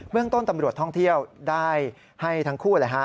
เรื่องต้นตำรวจท่องเที่ยวได้ให้ทั้งคู่เลยฮะ